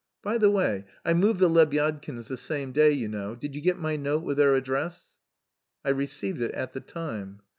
By the way, I moved the Lebyadkins the same day, you know; did you get my note with their address?" "I received it at the time."